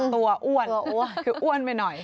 อ้วนคืออ้วนไปหน่อย